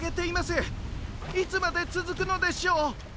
いつまでつづくのでしょう！